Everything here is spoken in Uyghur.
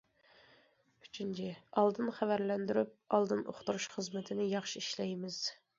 ئۈچىنچى، ئالدىن خەۋەرلەندۈرۈپ، ئالدىن ئۇقتۇرۇش خىزمىتىنى ياخشى ئىشلەيمىز.